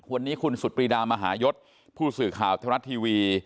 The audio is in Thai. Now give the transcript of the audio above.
วันนี้คุณสุดปรีดามหายศผู้ศึกคราวทางทะวันทรัศน์ทีวี